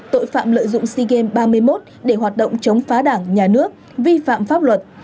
tội phạm lợi dụng sea games ba mươi một để hoạt động chống phá đảng nhà nước vi phạm pháp luật